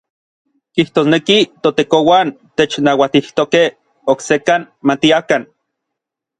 Kijtosneki ToTekouan technauatijtokej oksekan matiakan.